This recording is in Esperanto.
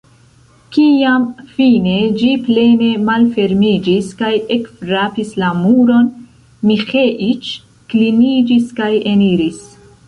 Kiam fine ĝi plene malfermiĝis kaj ekfrapis la muron, Miĥeiĉ kliniĝis kaj eniris.